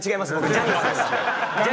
ジャニーズです。